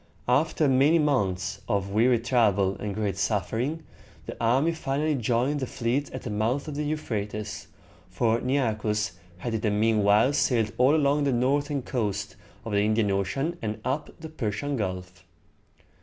After many months of weary travel and great suffering, the army finally joined the fleet at the mouth of the Euphrates, for Nearchus had in the mean while sailed all along the northern coast of the Indian Ocean and up the Persian Gulf.